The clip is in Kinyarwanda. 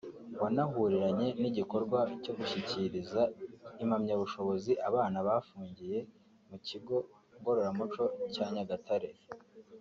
wanahuriranye n’igikorwa cyo gushyikiriza impamyabushobozi abana bafungiye mu kigo Ngororamuco cya Nyagatare